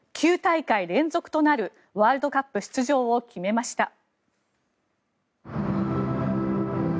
９大会連続となるワールドカップ出場を決めました。